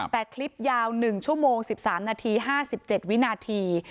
แต่คลิปยาว๑ชั่วโมง๑๓นาที๕๗วินาที